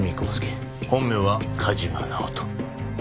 本名は梶間直人。